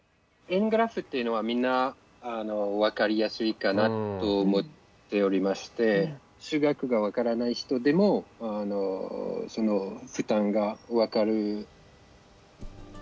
円グラフっていうのはみんな分かりやすいかなと思っておりまして数学が分からない人でもその負担が分かる。